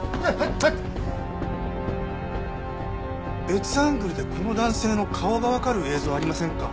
別アングルでこの男性の顔がわかる映像ありませんか？